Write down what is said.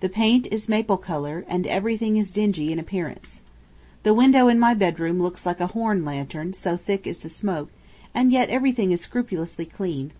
The paint is maple color, and everything is dingy in appearance. The window in my bedroom looks like a horn lantern, so thick is the smoke, and yet everything is scrupulously clean.